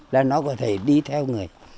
là nó có thể đi theo người